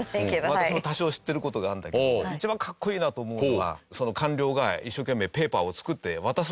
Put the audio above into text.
私も多少知ってる事があるんだけども一番格好いいなと思うのは官僚が一生懸命ペーパーを作って渡すわけですよね。